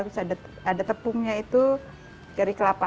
terus ada tepungnya itu dari kelapa